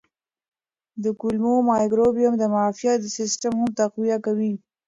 د کولمو مایکروبیوم د معافیت سیستم هم تقویه کوي.